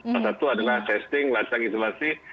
salah satu adalah testing lacak isolasi